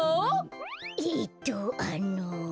えっとあの。